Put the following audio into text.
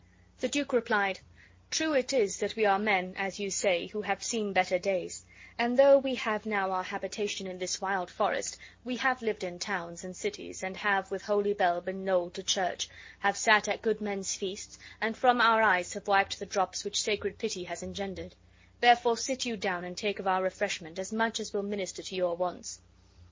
The duke replied: "True it is that we are men (as you say) who have seen better days, and though we have now our habitation in this wild forest, we have lived in towns and cities and have with holy bell been knolled to church, have sat at good men's feasts, and from our eyes have wiped the drops which sacred pity has engendered; therefore sit you down and take of our refreshment as much as will minister to your wants."